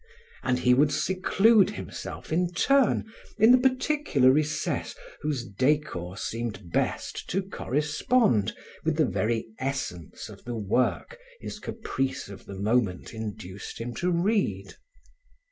And he would seclude himself in turn in the particular recess whose decor seemed best to correspond with the very essence of the work his caprice of the moment induced him to read.